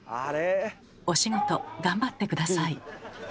お仕事頑張って下さい。